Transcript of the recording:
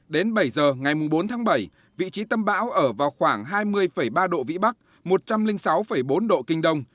đến bảy giờ ngày bốn tháng bảy vị trí tâm bão ở vào khoảng hai mươi ba độ vĩ bắc một trăm linh sáu bốn độ kinh đông